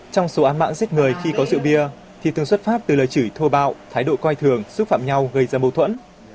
trong số án mạng giết người khi có rượu bia thì thường xuất phát từ lời chửi thô bạo thái độ coi thường xúc phạm nhau gây ra mâu thuẫn